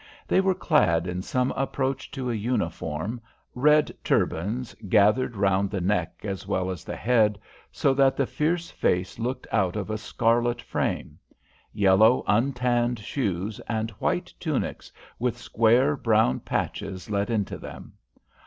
They were clad in some approach to a uniform, red turbans gathered around the neck as well as the head, so that the fierce face looked out of a scarlet frame; yellow, untanned shoes, and white tunics with square, brown patches let into them.